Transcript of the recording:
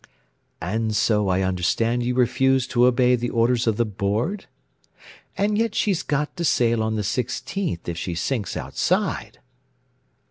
"And so I understand you refuse to obey the orders of the Board? and yet she's got to sail on the 16th if she sinks outside."